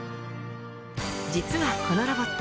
実はこのロボット